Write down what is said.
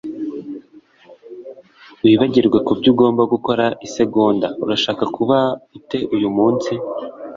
Wibagirwe kubyo ugomba gukora isegonda. Urashaka kuba ute uyu munsi? ”